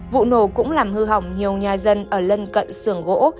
vụ nổ cũng làm hư hỏng nhiều nhà dân ở lân cận sưởng gỗ